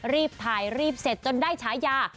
รีบถ่ายรีบเสร็จจนได้ฉายา